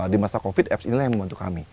di masa covid apps inilah yang membantu kami